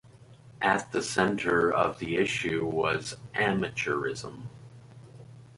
At the center of the issue was amateurism.